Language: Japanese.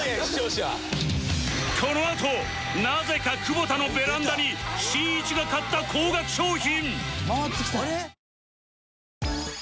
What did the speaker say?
このあとなぜか久保田のベランダにしんいちが買った高額商品